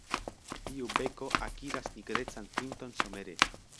Tiu beko akiras nigrecan pinton somere.